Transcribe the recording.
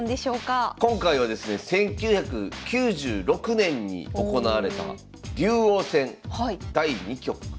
今回はですね１９９６年に行われた竜王戦第２局。